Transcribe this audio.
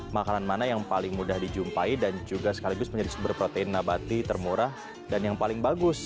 makanan mana yang paling mudah dijumpai dan juga sekaligus menjadi sumber protein nabati termurah dan yang paling bagus